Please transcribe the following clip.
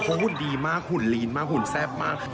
เขาหุ่นดีมากหุ่นพักด้วยหุ่นแทบมาก